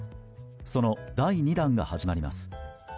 その第２弾が始まります。